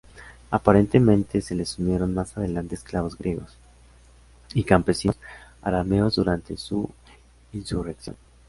Aparentemente, se les unieron más adelante esclavos griegos y campesinos arameos durante su insurrección.